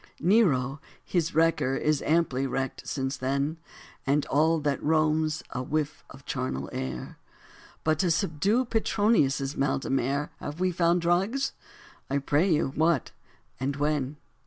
Nero, his wrecker, is amply wrecked since then, And all that Rome's a whiff of charnel air; But to subdue Petronius' mal de mer Have we found drugs? I pray you, What? and When?